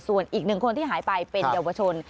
ส่วนอีกหนึ่งคนที่หายไปเป็นเยาวชน